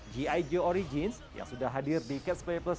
g i joe origins yang sudah hadir di catch play plus